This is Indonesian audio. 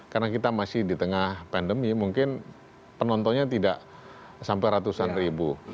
karena kita masih di tengah pandemi mungkin penontonnya tidak sampai ratusan ribu